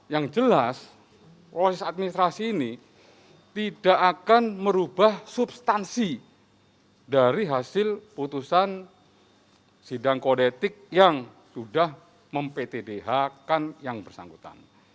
yang jelas proses administrasi ini tidak akan merubah substansi dari hasil putusan sidang kodetik yang sudah mem ptdh kan yang bersangkutan